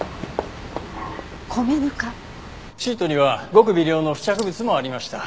シートにはごく微量の付着物もありました。